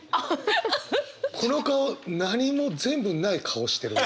この顔何も全部ない顔してるね。